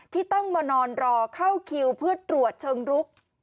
ที่ต้องมานอนรอเข้าคิวเพื่อตรวจเชิงรุก